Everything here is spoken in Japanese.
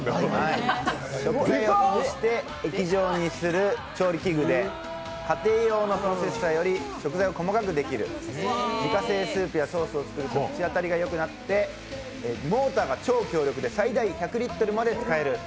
食材を潰して液状にする調理器具で家庭用のプロセッサーより食材を細かくできる、自家製スープやソースを作ると口当たりがよくなってモーターが超強力で最大１００リットルまで使える。